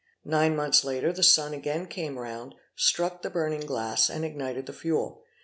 Nine months later the sun again came round, struck the burning glass, and ignited the fuel.